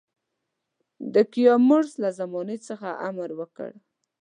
د کیومرث له زمانې څخه امر وکړ.